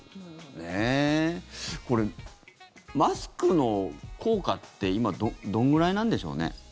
これ、マスクの効果って今どのぐらいなんでしょうね。